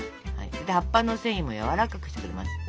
で葉っぱの繊維もやわらかくしてくれます。